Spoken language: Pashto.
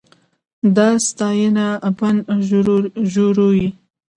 دا ستاینه بند ژوروي.